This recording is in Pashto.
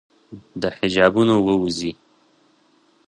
د حجابونو ووزي